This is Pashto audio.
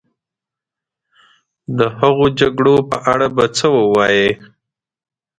د هغو جګړو په اړه به څه ووایې.